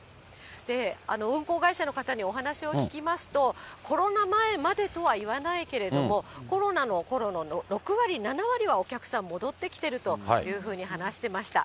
運航会社の方にお話を聞きますと、コロナ前までとは言わないけれども、コロナのころの６割、７割はお客さん、戻ってきてるというふうに話してました。